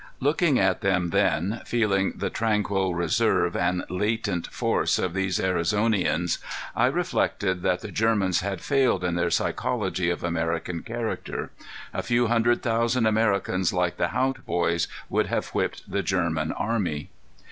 Looking at them then, feeling the tranquil reserve and latent force of these Arizonians, I reflected that the Germans had failed in their psychology of American character. A few hundred thousand Americans like the Haught boys would have whipped the German army.